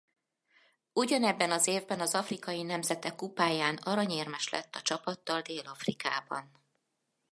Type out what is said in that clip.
Ugyanebben az évben az afrikai nemzetek kupáján aranyérmes lett a csapattal Dél-Afrikában.